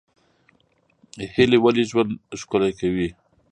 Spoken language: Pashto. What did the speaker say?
هیلې ولې ژوند ښکلی کوي؟